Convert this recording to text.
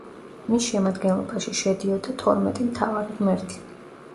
მის შემადგენლობაში შედიოდა თორმეტი მთავარი ღმერთი.